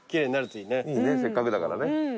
いいねせっかくだからね。